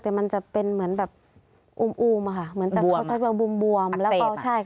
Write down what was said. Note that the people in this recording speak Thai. แต่มันจะเป็นเหมือนแบบอุ่มค่ะเหมือนจะบวมแล้วก็ใช่